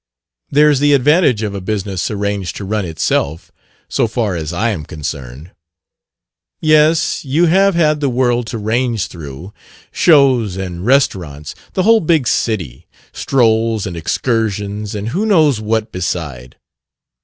"There's the advantage of a business arranged to run itself so far as I am concerned." "Yes, you have had the world to range through: shows and restaurants; the whole big city; strolls and excursions, and who knows what beside...."